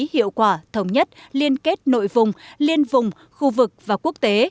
hiệu quả thống nhất liên kết nội vùng liên vùng khu vực và quốc tế